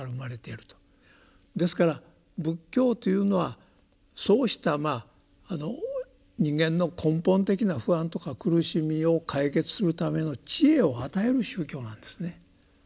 ですから仏教というのはそうした人間の根本的な不安とか苦しみを解決するための智慧を与える宗教なんですね。